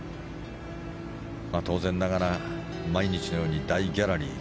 当然ながら、毎日のように大ギャラリー。